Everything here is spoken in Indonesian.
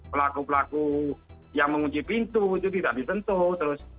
pelaku pelaku yang mengunci pintu itu tidak disentuh terus